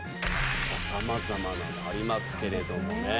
さまざまなのありますけれどもね。